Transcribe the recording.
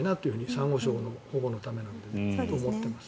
サンゴ礁の保護のためにと思っています。